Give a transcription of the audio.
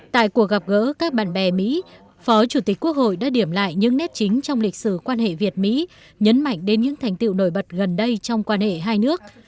tại cuộc gặp gỡ các bạn bè mỹ phó chủ tịch quốc hội đã điểm lại những nét chính trong lịch sử quan hệ việt mỹ nhấn mạnh đến những thành tiệu nổi bật gần đây trong quan hệ hai nước